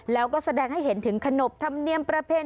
แล้วก็แสดงให้เห็นถึงขนบธรรมเนียมประเพณี